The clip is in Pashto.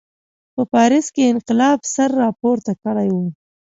په پاریس کې انقلاب سر راپورته کړی و.